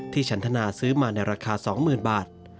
ฉันทนาซื้อมาในราคา๒๐๐๐บาท